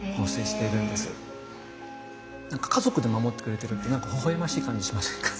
何か家族で守ってくれてるってほほ笑ましい感じしませんか？